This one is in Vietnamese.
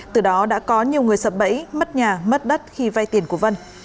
từ đó đã có nhiều người sợ bẫy mất nhà mất đất khi vây tiền của vân